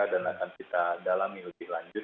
dan akan kita dalami lebih lanjut